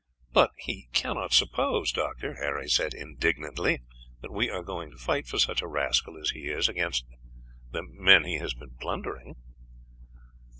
"But, he cannot suppose, Doctor," Harry said indignantly, "that we are going to fight for such a rascal as he is against the men he has been plundering."